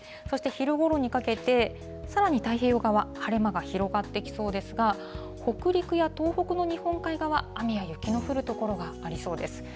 そして昼ごろにかけて、さらに太平洋側、晴れ間が広がってきそうですが、北陸や東北の日本海側、雨や雪の降る所がありそうです。